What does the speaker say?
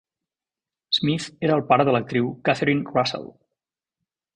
Smith era el pare de l'actiu Catherine Russell.